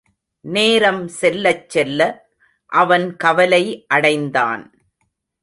நேரம் செல்லச் செல்ல அவன் கவலை அடைந்தான்.